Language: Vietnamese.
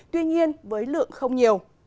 tuy nhiên với lượng không nhiều